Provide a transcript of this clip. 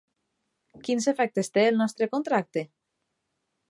Quins efectes té el nostre contracte?